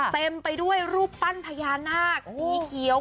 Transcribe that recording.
เต็มไปด้วยรูปปั้นพญานาคสีเขียว